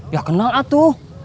ya kenal itu